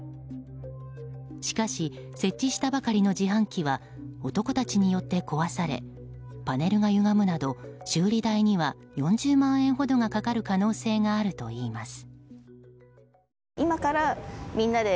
しかし、設置したばかりの自販機は男たちによって壊されパネルがゆがむなど、修理代には４０万円ほどがかかる可能性があるといいます。